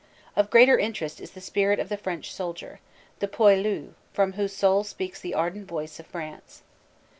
Of greater interest is the spirit of the French soldier, the "poilu>" from whose soul speaks the ardent voice of France.